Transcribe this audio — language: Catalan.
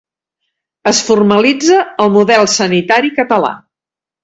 Es formalitza el model sanitari català.